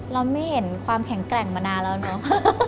เราไม่เห็นความแข็งแกร่งมานานแล้วเนอะ